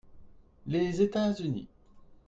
Les États-Unis.